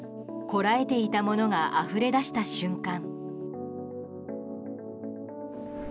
こらえていたものがあふれ出した瞬間。